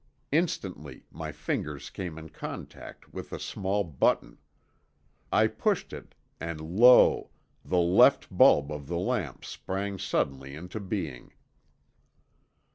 Instantly my fingers came in contact with a small button. I pushed it, and lo! the left bulb of the lamp sprang suddenly into being.